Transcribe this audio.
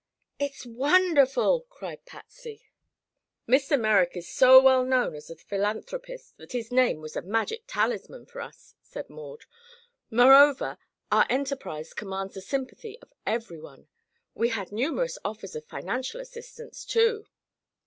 "It's wonderful!" cried Patsy. "Mr. Merrick is so well known as a philanthropist that his name was a magic talisman for us," said Maud. "Moreover, our enterprise commands the sympathy of everyone. We had numerous offers of financial assistance, too."